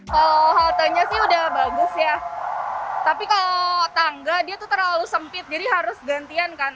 kalau haltenya sih udah bagus ya tapi kalau tangga dia tuh terlalu sempit jadi harus gantian kan